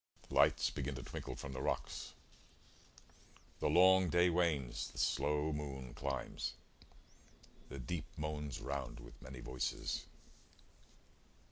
The lights begin to twinkle from the rocks: The long day wanes: the slow moon climbs: the deep Moans round with many voices.